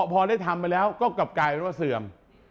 พอได้ทำไปแล้วก็กลับกลายเป็นว่าเสื่อม